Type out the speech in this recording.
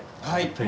はい。